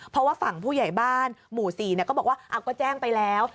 เพราะว่าฝั่งผู้ใหญ่บ้านหมู่๔ก็บอกว่าก็แจ้งไปแล้ว